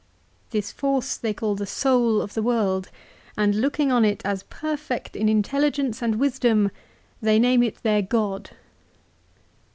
3 " This force they call the soul of the world, and looking on it as perfect in intelligence and wisdom, they name it their God."